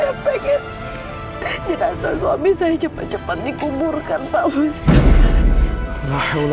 ngancet suami saya cepat cepat dikumpulkan